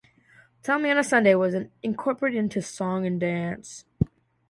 "Tell Me on a Sunday" was incorporated into "Song and Dance".